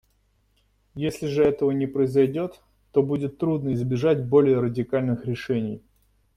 Если же этого не произойдет, то будет трудно избежать более радикальных решений.